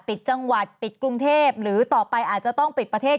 ปิดจังหวัดปิดกรุงเทพหรือต่อไปอาจจะต้องปิดประเทศ